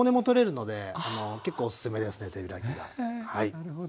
なるほど。